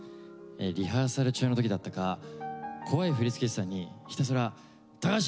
リハーサル中の時だったか怖い振り付け師さんにひたすら『橋！